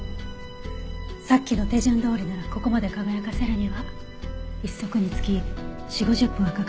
さっきの手順どおりならここまで輝かせるには１足につき４０５０分はかかるはず。